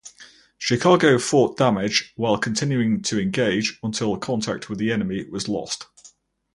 Chicago fought damage while continuing to engage until contact with the enemy was lost.